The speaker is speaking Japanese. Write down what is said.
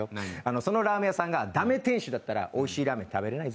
そのラーメン屋さんが駄目店主だったらおいしいラーメン食べられないぞ。